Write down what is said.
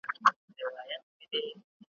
په پنجرو کي له چیغاره سره نه جوړیږي `